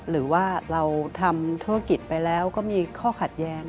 หรือว่าเราทำธุรกิจไปแล้วก็มีข้อขัดแย้ง